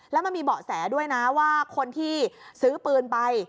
แล้วมันมีเบาะแสด้วยนะว่าคนที่ซื้อปืนไป